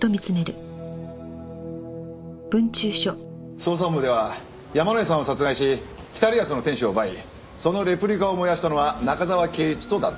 捜査本部では山井さんを殺害し『北リアスの天使』を奪いそのレプリカを燃やしたのは中沢啓一と断定。